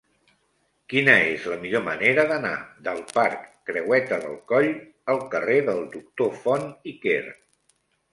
Quina és la millor manera d'anar del parc Creueta del Coll al carrer del Doctor Font i Quer?